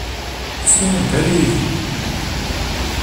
Ur ttɣimimt ara yid-i.